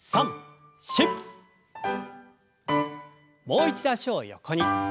もう一度脚を横に。